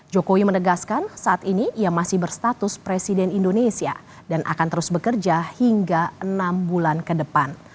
jokowi menegaskan saat ini ia masih berstatus presiden indonesia dan akan terus bekerja hingga enam bulan ke depan